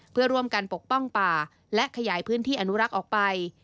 เพื่อร่วมกันปกป้องป่าและขยายพื้นที่อนุรักษ์ออกไป